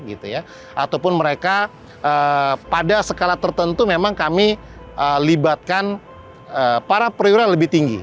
ataupun mereka pada skala tertentu memang kami libatkan para perwira lebih tinggi